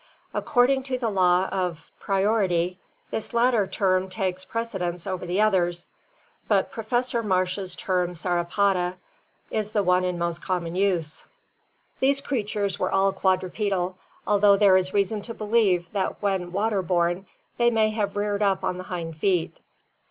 According to the law of prior ity this latter term takes precedence over the others, but Professor Marsh's term Sauropoda is the one in most common use. These creatures were all quadrupedal, although there is reason to believe that when water borne they may have reared up on the hind feet.